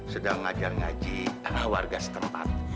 sedang ngajar ngaji warga setempat